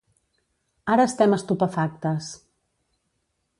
Ara estem estupefactes.